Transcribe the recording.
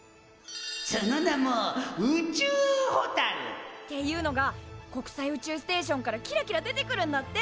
その名も宇宙ホタル！っていうのが国際宇宙ステーションからキラキラ出てくるんだって！